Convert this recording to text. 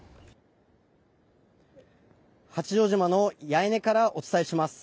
八丈島の八重根からお伝えします。